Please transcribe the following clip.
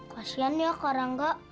kasian ya karangga